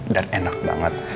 dan enak banget